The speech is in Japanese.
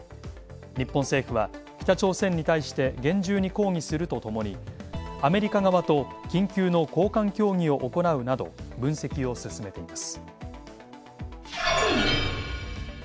日本政府は、北朝鮮に対して厳重に抗議するとともにアメリカ側と緊急の高官協議を行うなど分析を進めています。